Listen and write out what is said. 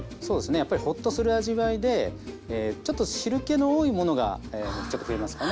やっぱりほっとする味わいでちょっと汁けの多いものがちょっと増えますかね